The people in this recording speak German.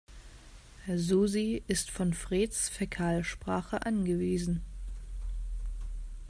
Susi ist von Freds Fäkalsprache angewiesen.